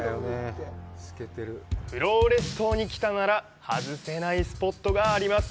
フローレス島に来たなら外せないスポットがあります。